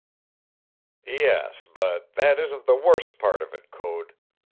"Yes, but that isn't the worst part of it, Code.